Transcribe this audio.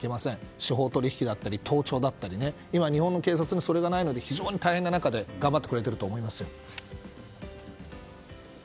司法取引だったり盗聴だったり今、日本の警察はそれがない中で非常に大変な中で頑張ってくれてると思います。